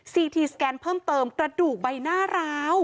ทีสแกนเพิ่มเติมกระดูกใบหน้าร้าว